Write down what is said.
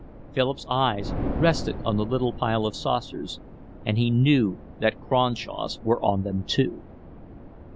Philip's eyes rested on the little pile of saucers, and he knew that Cronshaw's were on them too.